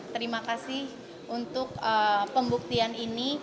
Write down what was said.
terima kasih untuk pembuktian ini